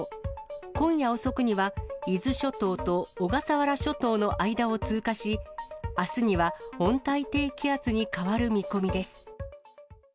今夜遅くには、伊豆諸島と小笠原諸島の間を通過し、あすには温帯低気圧に変わる見込みです。